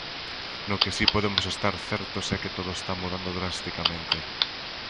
No que si podemos estar certos é que todo está mudando drasticamente.